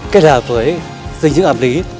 kết hợp với dinh dưỡng ẩm lý